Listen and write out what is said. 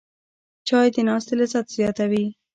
چای د ناستې لذت زیاتوي